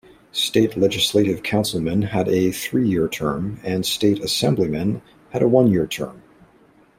State Legislative Councilmen had a three-year term and State Assemblymen had a one-year term.